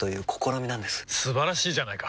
素晴らしいじゃないか！